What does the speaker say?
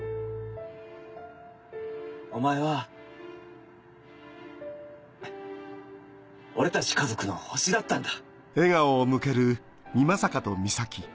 お前は俺たち家族の星だったんだ。